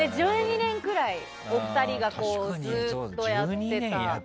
１２年ぐらいお二人がずっとやっていた。